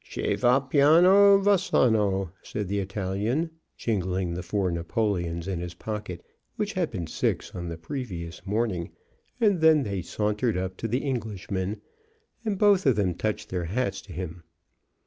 "Che va piano va sano," said the Italian, jingling the four napoleons in his pocket, which had been six on yesterday morning. Then they sauntered up to the Englishman, and both of them touched their hats to him.